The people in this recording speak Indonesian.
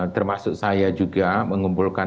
termasuk saya juga mengumpulkan